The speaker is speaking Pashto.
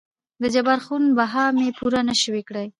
دجبار خون بها مې پوره نه شوى کړى.